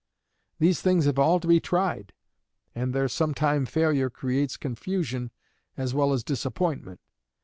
These things have all to be tried, and their sometime failure creates confusion as well as disappointment.